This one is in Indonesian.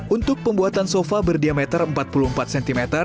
untuk pembuatan sofa berdiameter empat puluh empat cm